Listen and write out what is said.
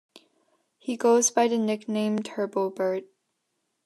He goes by the nickname Turbobird.